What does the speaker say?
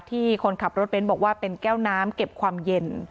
คนขับรถเบ้นบอกว่าเป็นแก้วน้ำเก็บความเย็น